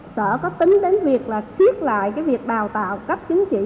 sở có tính đến việc là xiếp lại cái việc bào tạo cấp chính trị